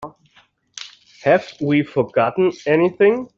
Have we forgotten anything?